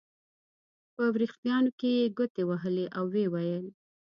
په وریښتانو کې یې ګوتې وهلې او ویې ویل.